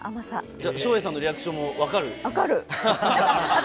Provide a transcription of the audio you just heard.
じゃあ、照英さんのリアクシ分かる。